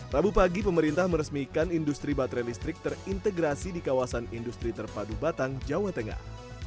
rabu pagi pemerintah meresmikan industri baterai listrik terintegrasi di kawasan industri terpadu batang jawa tengah